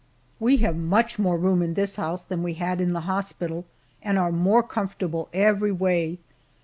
We have much more room in this house than we had in the hospital, and are more comfortable every way.